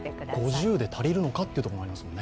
５０で足りるのかというところもありますもんね。